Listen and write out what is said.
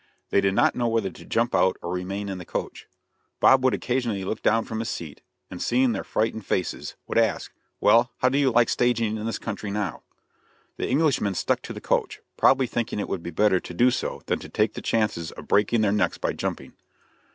They did not know whether to jump out or remain in the coach. Bob would occasionally look down from his seat, and, seeing their frightened faces, would ask, "Well, how do you like staging in this country now?" The Englishmen stuck to the coach, probably thinking it would be better to do so than to take the chances of breaking their necks by jumping.